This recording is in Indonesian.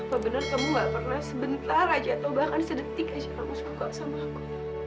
apa benar kamu gak pernah sebentar aja atau bahkan sedetik aja langsung suka sama aku